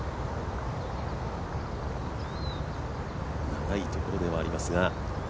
長いところではありますが。